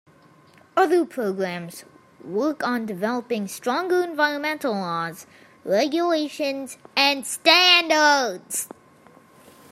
Other programs work on developing stronger environmental laws, regulations, and standards.